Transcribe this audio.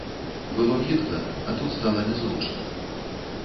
Было гідка, а тут стала нязручна.